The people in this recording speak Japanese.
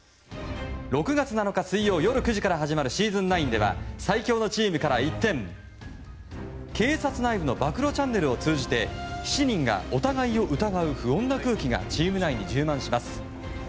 ６月７日、水曜夜９時から始まるシーズン９では最強のチームから一転警察内部の暴露チャンネルを通じて７人がお互いを疑う不穏な空気がチーム内に充満します。